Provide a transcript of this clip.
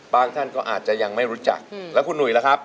ท่านก็อาจจะยังไม่รู้จักแล้วคุณหนุ่ยล่ะครับ